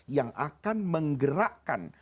yang akan menggerakkan